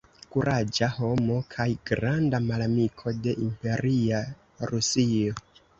Kuraĝa homo kaj granda malamiko de imperia Rusio.